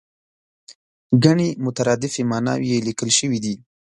ګڼې مترادفې ماناوې یې لیکل شوې دي.